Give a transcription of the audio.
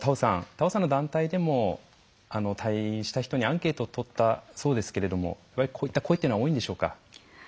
田尾さんの団体でも退院した人にアンケートをとったそうですけれどもこういった声というのは多いんでしょうか？